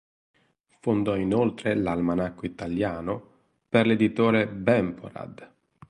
Fondò inoltre l"'Almanacco italiano" per l'editore Bemporad.